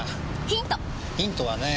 ヒントはね